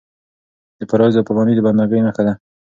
د فرایضو پابندي د بنده ګۍ نښه ده.